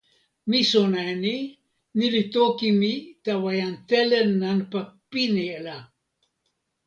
mi sona e ni: ni li toki mi tawa jan Telen nanpa pini, la.